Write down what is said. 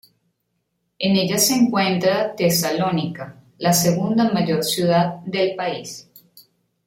En ella se encuentra Tesalónica, la segunda mayor ciudad del país.